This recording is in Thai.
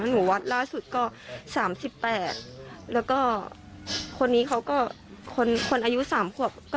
หนูวัดล่าสุดก็๓๘แล้วก็คนนี้เขาก็คนอายุ๓ขวบ